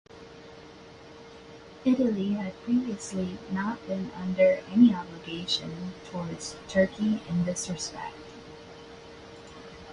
Italy had previously not been under any obligation towards Turkey in this respect.